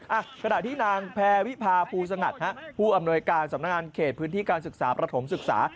ขณะที่นางแพรวิพาภูสงัดฮะผู้อำนวยการสำนักงานเขตพื้นที่การศึกษาประถมศึกษา